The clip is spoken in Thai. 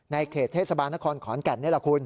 เขตเทศบาลนครขอนแก่นนี่แหละคุณ